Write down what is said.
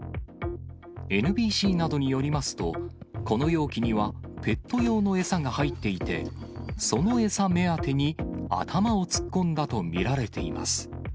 ＮＢＣなどによりますと、この容器には、ペット用の餌が入っていて、その餌目当てに頭を突っ込んだと見られています。